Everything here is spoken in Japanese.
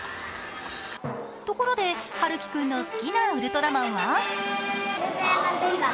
ところで、陽喜君の好きなウルトラマンは？